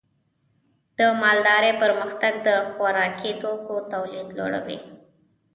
د مالدارۍ پرمختګ د خوراکي توکو تولید لوړوي.